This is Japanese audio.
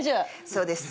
そうです。